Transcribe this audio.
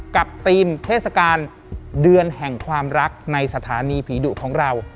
กับทีมเทศกาลเดือนแห่งความรักในสถานีผีดุของเรา